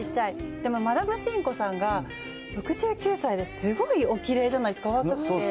でもマダムシンコさんが、６９歳ですごいおきれいじゃないですか、お若くて。